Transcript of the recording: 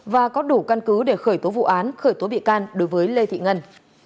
và có đủ căn cứ để khởi tố vụ án khởi tố bị can đối với lê thị ngân